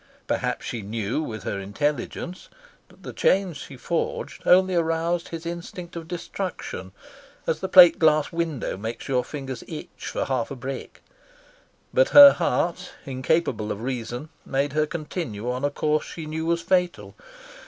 Perhaps she knew with her intelligence that the chains she forged only aroused his instinct of destruction, as the plate glass window makes your fingers itch for half a brick; but her heart, incapable of reason, made her continue on a course she knew was fatal.